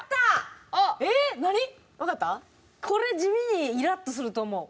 これ地味にイラッとすると思う。